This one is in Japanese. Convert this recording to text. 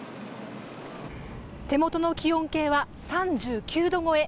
手元の気温計は３９度超え。